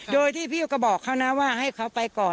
โดยที่พี่ก็บอกเขานะว่าให้เขาไปก่อน